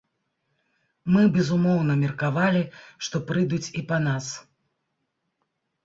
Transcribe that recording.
Мы, безумоўна, меркавалі, што прыйдуць і па нас.